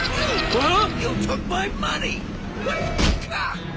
あっ！